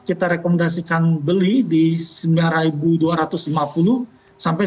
kita rekomendasikan beli di sembilan dua ratus lima puluh sampai sembilan ratus